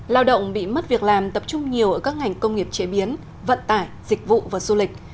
lao động bị mất việc làm tập trung nhiều ở các ngành công nghiệp chế biến vận tải dịch vụ và du lịch